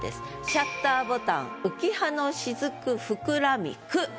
「シャッターボタン浮葉の雫ふくらみ来」。